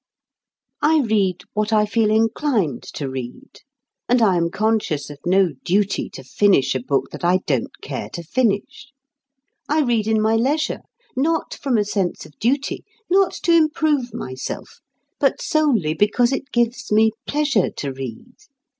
I read what I feel inclined to read, and I am conscious of no duty to finish a book that I don't care to finish. I read in my leisure, not from a sense of duty, not to improve myself, but solely because it gives me pleasure to read.